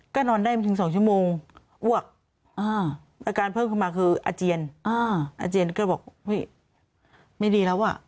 ก็นอนได้ไม่ถึง๒ชั่วโมงอ้วกอาการเพิ่มขึ้นมาคืออาเจียนอาเจียนก็บอกเฮ้ยไม่ดีแล้วอ่ะ